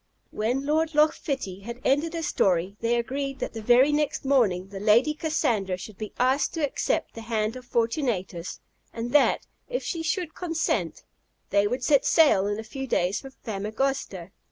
When Lord Loch Fitty had ended his story, they agreed that the very next morning the Lady Cassandra should be asked to accept the hand of Fortunatus; and that, if she should consent, they would set sail in a few days for Famagosta.